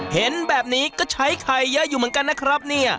เห็นแบบนี้ก็ใช้ไข่เยอะอยู่เหมือนกันนะครับเนี่ย